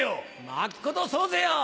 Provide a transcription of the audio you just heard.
まっことそうぜよ。